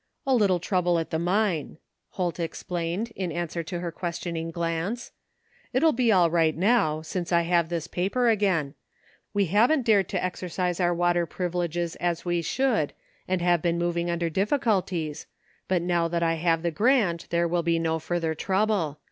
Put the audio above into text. " A little trouble at the mine,'' Holt explained, in answer to her questioning glance. " It'll be all right now, since I .have this paper again. We haven't dared to exercise oiu* water privileges as we should and have been moving under difficulties, but now that I have the grant there will be no further trouble.